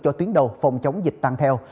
cho tuyến đầu phòng chống dịch tăng theo